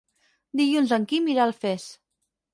Dilluns en Quim irà a Alfés.